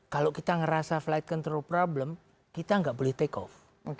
kalau kita ngerasa flight control problem kita nggak boleh take off